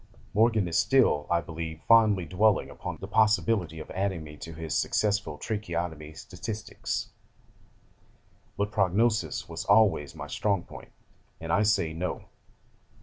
Morgan is still, I believe, fondly dwelling upon the possibility of adding me to his successful tracheotomy statistics, but prognosis was always my strong point, and I say No.